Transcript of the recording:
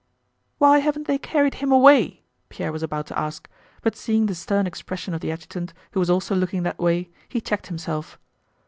"Why haven't they carried him away?" Pierre was about to ask, but seeing the stern expression of the adjutant who was also looking that way, he checked himself.